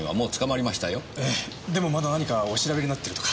ええでもまだ何かお調べになってるとか。